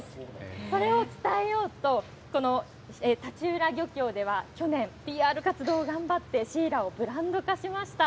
それを伝えようと、この舘浦漁協では去年、ＰＲ活動を頑張って、シイラをブランド化しました。